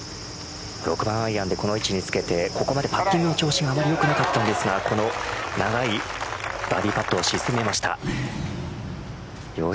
６番アイアンでこの位置につけてここまでパッティングの調子があまりよくなかったんですがこの長いバーディーパットを沈めました。